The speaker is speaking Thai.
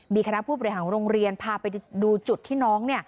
มีคณะผู้บริหารโรงเรียนพาไปดูจุดที่น้อง